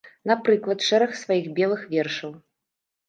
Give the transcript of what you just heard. Напрыклад, шэраг сваіх белых вершаў.